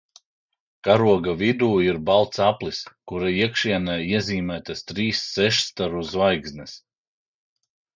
Karoga vidū ir balts aplis, kura iekšienē iezīmētas trīs sešstaru zvaigznes.